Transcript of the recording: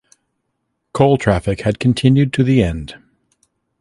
Coal traffic had continued to the end.